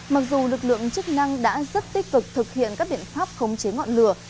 mặc dù lực lượng chức năng đã rất tích cực thực hiện các biện pháp khống chế ngọn lửa